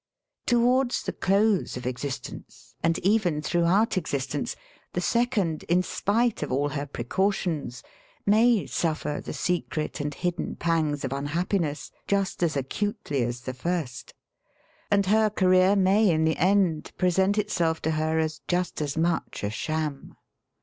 Towards the close of exist 14 SELF AND SELF MANAGEMENT ence, and even throughout existence, the second, in spite of all her precautions, may suffer the secret and hidden pangs of unhappiness just as acutely as the first ; and her career may in the end present itself to her as just as much a sham.